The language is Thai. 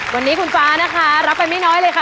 วันนี้คุณฟ้านะคะรับไปไม่น้อยเลยค่ะ